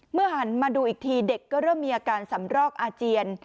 หันมาดูอีกทีเด็กก็เริ่มมีอาการสำรอกอาเจียน